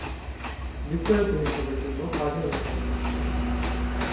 বিস্তারিত হিসাবের জন্য, কাজের হিসাব দেখুন।